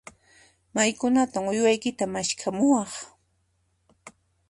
Maykunantan uywaykita maskhamuwaq?